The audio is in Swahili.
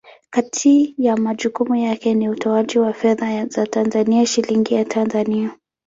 Kati ya majukumu yake ni utoaji wa fedha za Tanzania, Shilingi ya Tanzania.